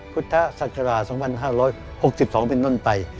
พุทธศักราช๒๕๖๒เป็นต้นไป